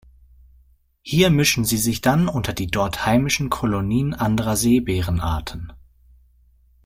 Hier mischen sie sich dann unter die dort heimischen Kolonien anderer Seebären-Arten.